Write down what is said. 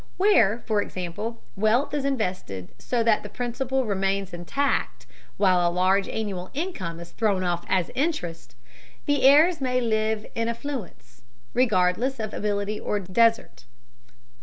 Where, for example, wealth is invested so that the principal remains intact while a large annual income is thrown off as interest, the heirs may live in affluence, regardless of ability or desert.